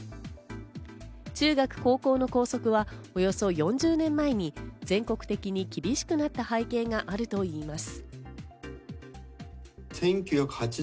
中学高校の校則はおよそ４０年前に全国的に厳しくなった背景があるといいます。